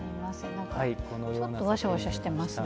ちょっとわしゃわしゃしてますね。